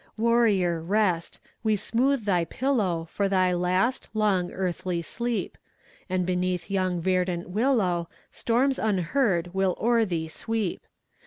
Warrior, rest! we smooth thy pillow, For thy last, long earthly sleep; And beneath yon verdant willow Storms unheard will o'er thee sweep!